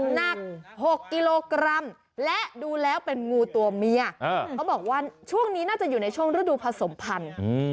หนัก๖กิโลกรัมและดูแล้วเป็นงูตัวเมียเขาบอกว่าช่วงนี้น่าจะอยู่ในช่วงฤดูผสมพันธุ์